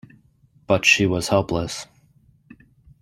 But she was helpless.